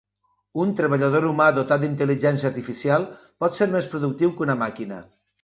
Un treballador humà dotat d'intel·ligència artificial pot ser més productiu que una màquina.